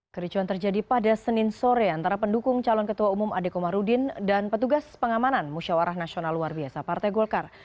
kericuan terjadi pada senin sore antara pendukung calon ketua umum adekomarudin dan petugas pengamanan musyawarah nasional luar biasa partai golkar